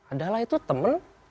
adalah itu temen